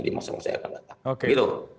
di masa masa yang akan datang